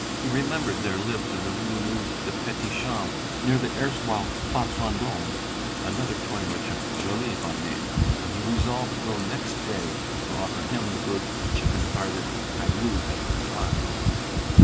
He remembered there lived in the Rue Neuve des Petits Champs, near the erstwhile Place Vendôme, another toy merchant, Joly by name, and he resolved to go next day to offer him the goods the chicken hearted Caillou had declined.